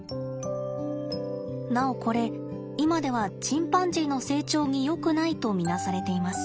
なおこれ今ではチンパンジーの成長によくないと見なされています。